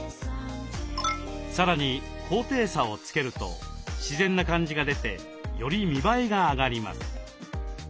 さらに高低差をつけると自然な感じが出てより見栄えが上がります。